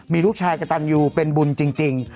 มีลูกชายกระตันยูเป็นบุญจริง